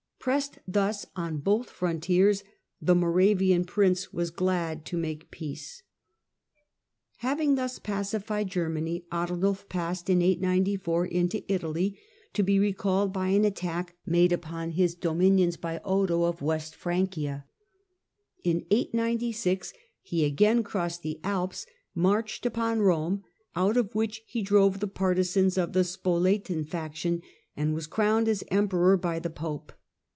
Pressed thus on both frontiers, the Moravian prince was glad to make peace. Having thus pacified Germany Arnulf passed, in 894, into Italy, to be recalled by an attack made upon his dominions by Odo of West Francia. In 896 he again crossed the Alps, marched upon Rome, out of which he drove the partisans of the Spoletan faction, and was crowned as Emperor by the Pope.